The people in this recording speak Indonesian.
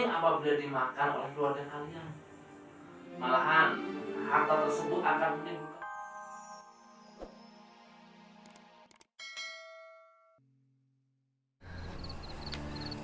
malahan harta tersebut akan menjadi buka